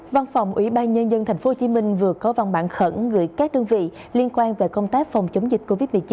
văn phòng ủy ban nhân dân tp hcm vừa có văn bản khẩn gửi các đơn vị liên quan về công tác phòng chống dịch covid một mươi chín